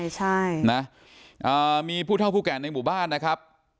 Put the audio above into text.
ใช่นะมีผู้เท่าผู้แก่ในหมู่บ้านนะครับ